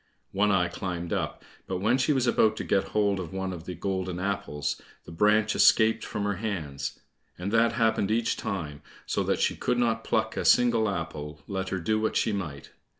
One eye climbed up, but when she was about to get hold of one of the golden apples, the branch escaped from her hands, and that happened each time, so that she could not pluck a single apple, let her do what she might.